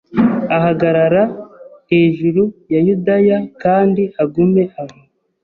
Ahagarara hejuru ya Yudaya Kandi agume aho